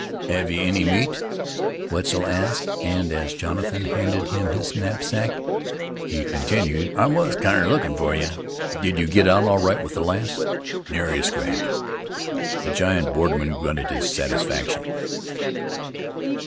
"Hev you any meat?" Wetzel asked, and as Jonathan handed him his knapsack, he continued, "I was kinder lookin' fer you. Did you get out all right with the lass?" "Nary a scratch." The giant borderman grunted his satisfaction.